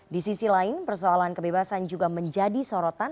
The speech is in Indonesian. di sisi lain persoalan kebebasan juga menjadi sorotan